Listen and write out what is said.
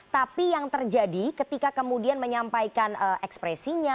tapi yang terjadi ketika kemudian menyampaikan ekspresinya